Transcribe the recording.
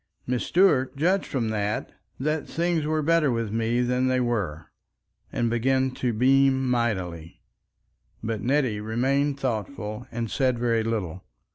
Mrs. Stuart judged from that that things were better with me than they were, and began to beam mightily. But Nettie remained thoughtful and said very little.